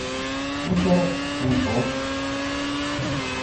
Amek ara d-teṭṭfem Tom?